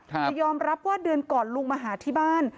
แต่ยอมรับว่าเดือนก่อนลุงมาหาที่บ้าน